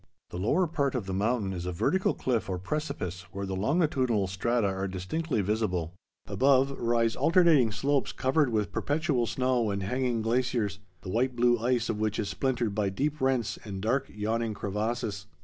The lower part of the mountain is a vertical cliff or precipice where the longitudinal strata are distinctly visible. Above, rise alternating slopes covered with perpetual snow and hanging glaciers, the white blue ice of which is splintered by deep rents and dark yawning crevasses.